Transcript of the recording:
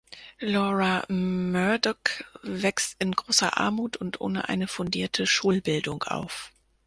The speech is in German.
Laura Murdock wächst in großer Armut und ohne eine fundierte Schulbildung auf.